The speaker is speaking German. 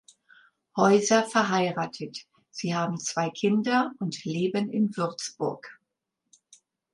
Häuser verheiratet, sie haben zwei Kinder und leben in Würzburg.